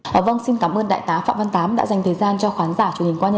họ vâng xin cảm ơn đại tá phạm văn tám đã dành thời gian